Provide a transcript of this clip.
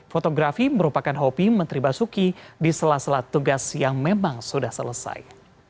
fotografi merupakan hobi menteri basuki di sela sela tugas yang memang sudah selesai